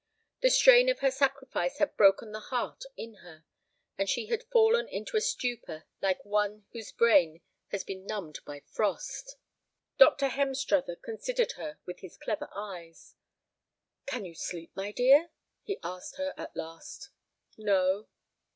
The strain of her sacrifice had broken the heart in her, and she had fallen into a stupor like one whose brain has been numbed by frost. Dr. Hemstruther considered her with his clever eyes. "Can you sleep, my dear?" he asked her, at last. "No."